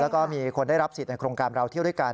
แล้วก็มีคนได้รับสิทธิ์ในโครงการเราเที่ยวด้วยกัน